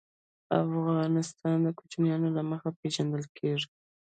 افغانستان د کوچیان له مخې پېژندل کېږي.